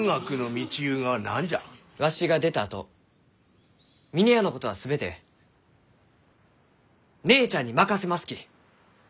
わしが出たあと峰屋のことは全て姉ちゃんに任せますき。